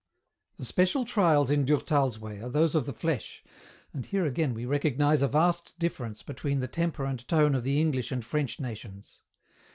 The special trials in Durtal's way are those of the Flesh, and here again we recognize a vast difference between the temper and tone of the English and French nations.